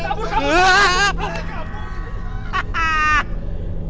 lampu lampu lampu